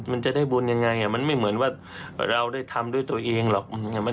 มันจะได้บุญยังไงมันไม่เหมือนว่าเราได้ทำด้วยตัวเองหรอก